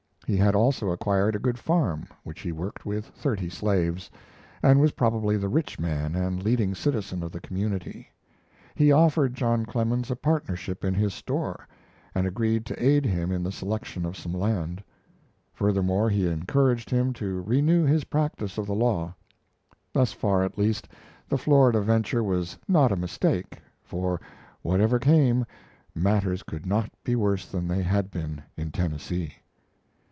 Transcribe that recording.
He had also acquired a good farm, which he worked with thirty slaves, and was probably the rich man and leading citizen of the community. He offered John Clemens a partnership in his store, and agreed to aid him in the selection of some land. Furthermore, he encouraged him to renew his practice of the law. Thus far, at least, the Florida venture was not a mistake, for, whatever came, matters could not be worse than they had been in Tennessee.